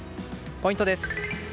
ポイントです。